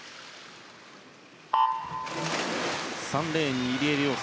３レーンに入江陵介。